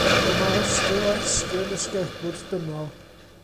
Dyma restr o esgyrn y sgerbwd dynol.